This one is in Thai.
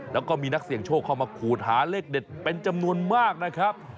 แล้วก็มีนักเสี่ยงโชคเข้ามาขูดหาเลขเด็ดเป็นจำนวนมากนะครับ